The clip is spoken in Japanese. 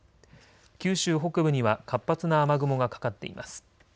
九州北部には活発な雨雲がかかっています。